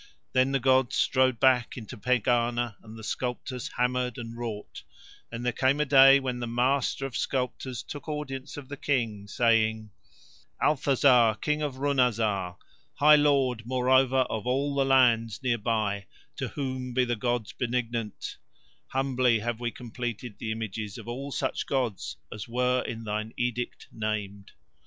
Then the gods strode back into Pegāna and the sculptors hammered and wrought, and there came a day when the Master of Sculptors took audience of the King, saying: "Althazar, King of Runazar, High Lord moreover of all the lands near by, to whom be the gods benignant, humbly have we completed the images of all such gods as were in thine edict named."